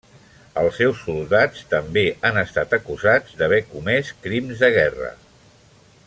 Els seus soldats també han estat acusats d'haver comès crims de guerra.